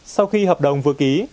sau khi hợp đồng vừa ký